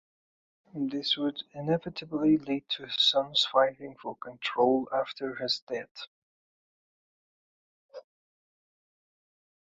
This would inevitably lead to his sons fighting for control after his death.